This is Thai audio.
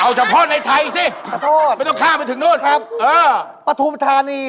เอาเฉพาะในไทยสิไม่ต้องข้ามไปถึงโน่นครับเออปฐุมธานี